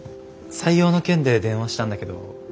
採用の件で電話したんだけど。